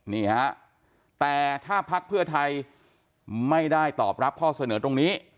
นี่ฮะแต่ถ้าพักเพื่อไทยไม่ได้ตอบรับข้อเสนอตรงนี้